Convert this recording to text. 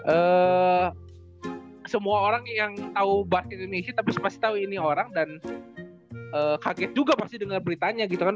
eee semua orang yang tau basket indonesia tapi pasti tau ini orang dan kaget juga pasti denger beritanya gitu kan